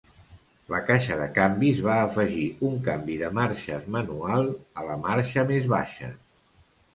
La caixa de canvis va afegir un canvi de marxes manual a la marxa més baixa.